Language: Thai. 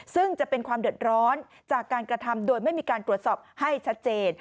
ซึ่งจะเป็นความเดือดร้อนจากการกระทำโดยไม่มีการตรวจสอบให้ชัดเจน